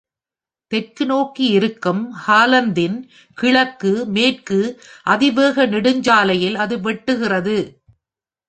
தெற்கு நோக்கி இருக்கும் ஹாலந்தின் கிழக்கு மேற்கு அதிவேக நெடுஞ்சாலையில் அது வெட்டுகிறது.